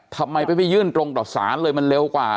ทำไมไม่ไปยื่นตรงต่อสารเลยมันเร็วกว่า